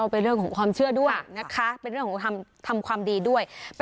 เป็นเรื่องของความเชื่อด้วยนะคะเป็นเรื่องของทำความดีด้วย